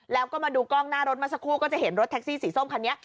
แล้วก็มาดูกล้องหน้ารถมาสักครู่ก็จะเห็นรถแท็กซี่สีส้มคันนี้